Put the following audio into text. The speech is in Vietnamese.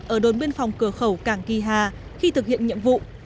ở đốn biên phòng cửa khẩu càng kỳ hà khi thực hiện nhiệm vụ